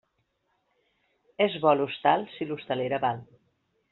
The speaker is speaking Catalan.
És bo l'hostal si l'hostalera val.